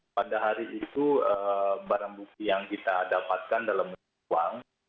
pada hari itu barang bukti yang kita dapatkan dalam uang